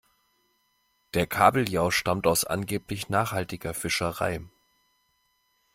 Der Kabeljau stammt aus angeblich nachhaltiger Fischerei.